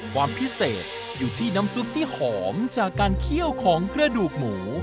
ความพิเศษอยู่ที่น้ำซุปที่หอมจากการเคี่ยวของกระดูกหมู